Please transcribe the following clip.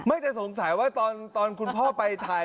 ไม่ได้สงสัยว่าตอนคุณพ่อไปไทย